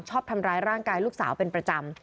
ชอบทำร้ายร่างกายลูกสาวเป็นประจำ